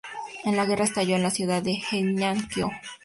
La guerra estalló en la ciudad de Heian-kyō.